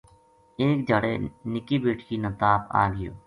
ایک دھیاڑے نکی بیٹکی نا تاپ آ گیو